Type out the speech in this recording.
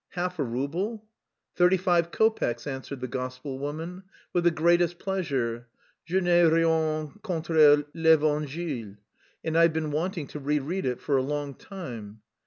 Half a rouble?" "Thirty five kopecks," answered the gospel woman. "With the greatest pleasure. Je n'ai rien contre l'Evangile, and I've been wanting to re read it for a long time...."